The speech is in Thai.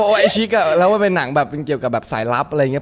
ไวท์ชิคอะแล้วมันเป็นหนังแบบเกี่ยวกับแบบสายลับอะไรอย่างเงี้ย